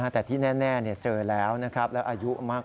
แต่ที่แน่เจอแล้วนะครับแล้วอายุมาก